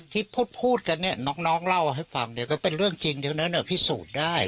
ที่พูดกันเนี่ยน้องเล่าให้ฟังเนี่ยก็เป็นเรื่องจริงเดี๋ยวนั้นพิสูจน์ได้